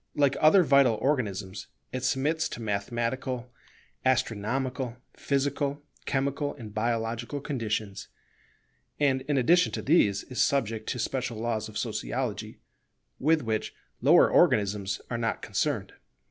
Like other vital organisms, it submits to mathematical, astronomical, physical, chemical, and biological conditions; and, in addition to these, is subject to special laws of Sociology with which lower organisms are not concerned.